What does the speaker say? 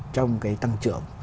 trong cái tăng trưởng